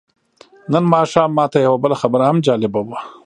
نن ماښام ماته یوه بله خبره هم جالبه وه.